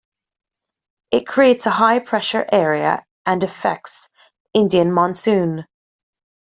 It creates a high-pressure area and affects Indian Monsoon.